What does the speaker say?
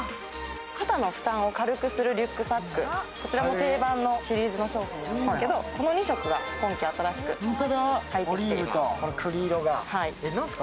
肩の負担を軽くするリュックサック、こちらも定番のシリーズの商品なんですけどこの２色が今季新しく入ってきています。